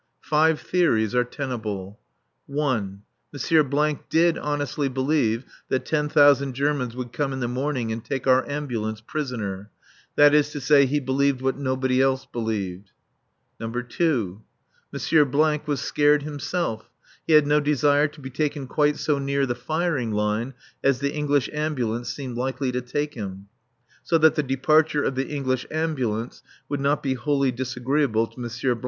Five theories are tenable: (1.) M. did honestly believe that ten thousand Germans would come in the morning and take our ambulance prisoner. That is to say, he believed what nobody else believed. (2.) M. was scared himself. He had no desire to be taken quite so near the firing line as the English Ambulance seemed likely to take him; so that the departure of the English Ambulance would not be wholly disagreeable to M.